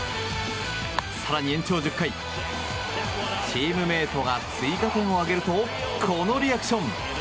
更に延長１０回チームメートが追加点を挙げるとこのリアクション。